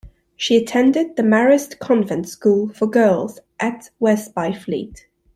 She attended the Marist Convent School for Girls at West Byfleet.